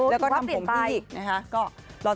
แล้วก็ทำผมอีกนะคะ